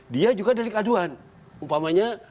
dia juga delik aduan umpamanya